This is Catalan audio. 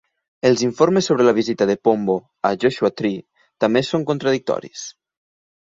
Els informes sobre la visita de Pombo a Joshua Tree també són contradictoris.